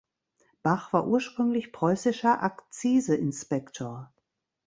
Bach war ursprünglich preußischer Akzise-Inspektor.